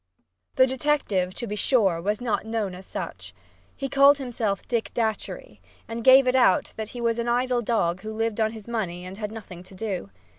The detective, to be sure, was not known as such. He called himself "Dick Datchery" and gave it out that he was an idle dog who lived on his money and had nothing to do.